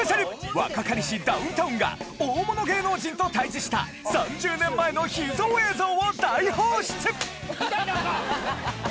若かりしダウンタウンが大物芸能人と対峙した３０年前の秘蔵映像を大放出！